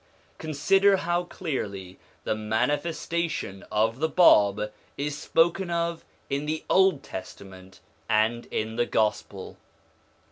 Consider how clearly the manifestation of the Bab is spoken of in the Old Testament and in the Gospel.